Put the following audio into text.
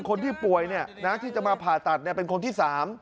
คนที่ป่วยที่จะมาผ่าตัดเป็นคนที่๓